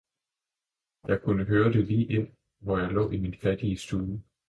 jeg kunne høre det lige ind, hvor jeg lå i min fattige stue.